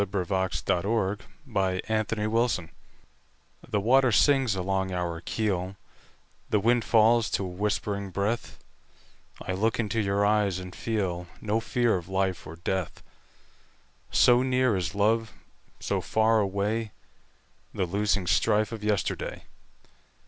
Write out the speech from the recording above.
By SophieJewett 1502 Armistice THE WATER sings along our keel, The wind falls to a whispering breath;I look into your eyes and feelNo fear of life or death; So near is love, so far awayThe losing strife of yesterday.